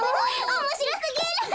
おもしろすぎる！